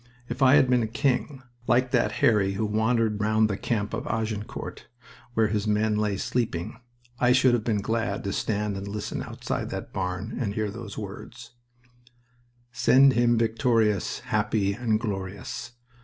If I had been king, like that Harry who wandered round the camp of Agincourt, where his men lay sleeping, I should have been glad to stand and listen outside that barn and hear those words: Send him victorious, Happy and glorious.